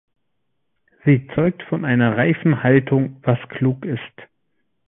Sie zeugt von einer reifen Haltung, was klug ist.